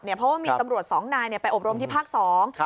เพราะว่ามีตำรวจสองนายไปอบรมที่ภาคสอง